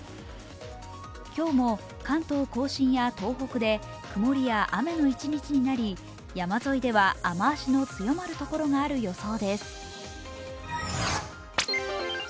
今日も関東甲信や東北で曇りや雨の一日となり山沿いでは雨足の強まるところがある予想です。